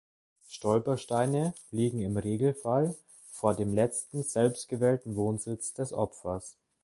Stolpersteine liegen im Regelfall vor dem letzten selbstgewählten Wohnsitz des Opfers.